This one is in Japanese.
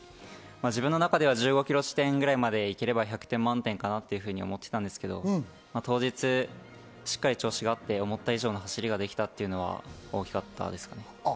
自分の中では１５ｋｍ地点ぐらいまで行ければ、１００点満点かなと思っていたんですけど、当日、しっかり調子があって、思った以上の走りができたというのは大きかったです。